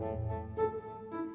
kau mau datang ke mana